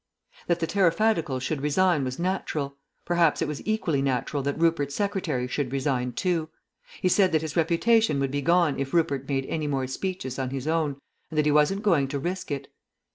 ..... That the Tariffadicals should resign was natural; perhaps it was equally natural that Rupert's secretary should resign too. He said that his reputation would be gone if Rupert made any more speeches on his own, and that he wasn't going to risk it.